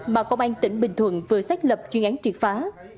mà công an tỉnh bình thuận vừa xác lập chuyên án triệt phá